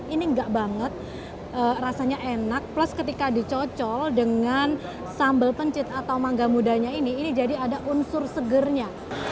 ini enggak banget rasanya enak plus ketika dicocol dengan sambal pencit atau mangga mudanya ini ini jadi ada unsur segernya